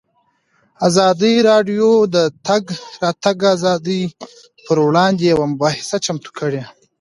ازادي راډیو د د تګ راتګ ازادي پر وړاندې یوه مباحثه چمتو کړې.